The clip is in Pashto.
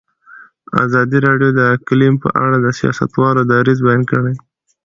ازادي راډیو د اقلیم په اړه د سیاستوالو دریځ بیان کړی.